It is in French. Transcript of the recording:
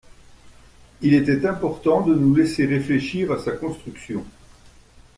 Il était important de nous laisser réfléchir à sa construction.